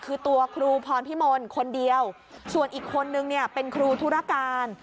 คือตัวครูพรพิมลคนเดียวส่วนอีกคนนึงเนี่ยเป็นครูธุรการ